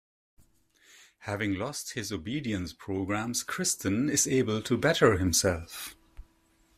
Having lost his obedience programmes, Kryten is able to better himself.